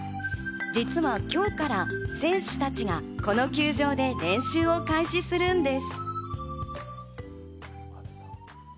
実は今日から選手たちがこの球場で練習を開始するんです。